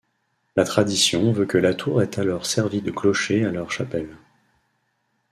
La tradition veut que la tour ait alors servi de clocher à leur chapelle.